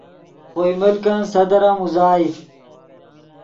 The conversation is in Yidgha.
خوئے ملکن صدر ام اوزائے